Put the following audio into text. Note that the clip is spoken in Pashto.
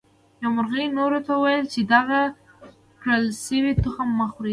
یوه مرغۍ نورو ته وویل چې دغه کرل شوي تخم مه خورئ.